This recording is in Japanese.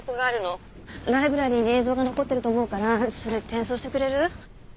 ライブラリーに映像が残ってると思うからそれ転送してくれる？